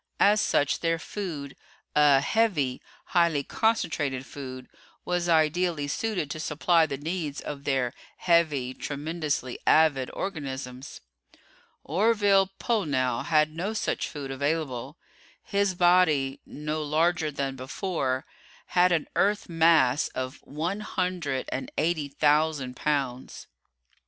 As such their food a "heavy," highly concentrated food was ideally suited to supply the needs of their "heavy," tremendously avid organisms. Orville Pollnow had no such food available. His body no larger than before had an Earth mass of one hundred and eighty thousand pounds.